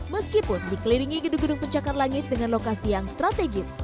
meskipun dikelilingi gedung gedung pencakar langit dengan lokasi yang strategis